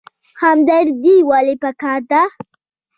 همدردي ولې پکار ده؟